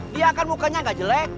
dia kan mukanya nggak jelek